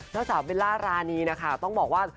แล้วจากเวลาร้านี้นะคะต้องบอกว่า